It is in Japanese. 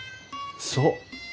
そう。